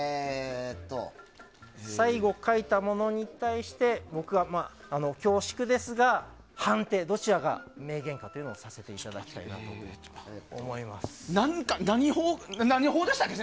最後、書いたものに対して僕は恐縮ですがどちらが名言か判定させていただきたいと何法でしたっけ？